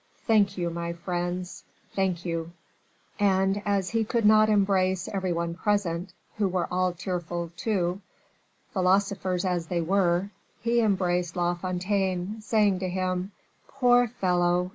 Thank you, my friends thank you." And as he could not embrace every one present, who were all tearful, too, philosophers as they were, he embraced La Fontaine, saying to him, "Poor fellow!